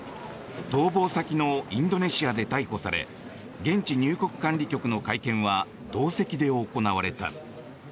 逃亡先のインドネシアで逮捕され現地入国管理局の会見は同席で行われた。